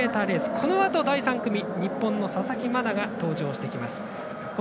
このあと、第３組日本の佐々木真菜が登場してきます。